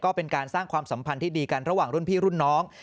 ก็เป็นการสร้างความสัมพันธ์ที่ดีกันระหว่างรุ่นพี่รุ่นน้อง